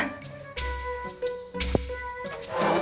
duduk sini ma